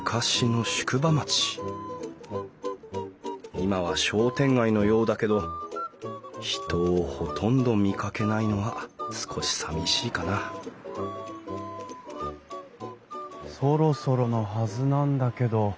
今は商店街のようだけど人をほとんど見かけないのは少しさみしいかなそろそろのはずなんだけど。